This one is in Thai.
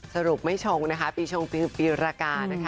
สรุปไม่ชงนะคะปีชงปีรากานะคะ